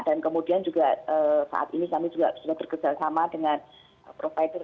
kemudian juga saat ini kami juga sudah bekerjasama dengan provider